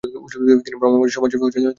তিনি ব্রহ্মজ্ঞানী সমাজের সদস্য হন।